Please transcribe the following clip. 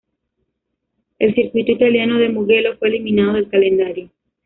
El circuito italiano de Mugello fue eliminado del calendario.